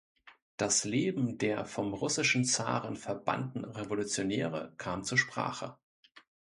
Das Leben der vom russischen Zaren verbannten Revolutionäre kam zur Sprache.